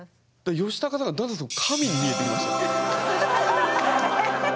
ヨシタカさんがだんだん神に見えてきました。